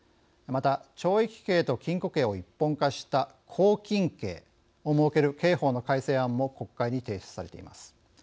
また懲役刑と禁錮刑を一本化した拘禁刑を設ける刑法の改正案も国会に提出されています。